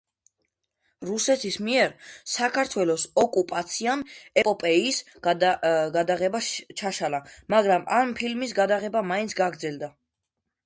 რუსეთის მიერ საქართველოს ოკუპაციამ ეპოპეის გადაღება ჩაშალა, მაგრამ ამ ფილმის გადაღება მაინც გაგრძელდა.